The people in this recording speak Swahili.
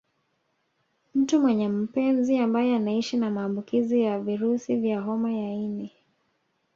Mtu mwenye mpenzi ambaye anaishi na maambukizi ya virusi vya homa ya ini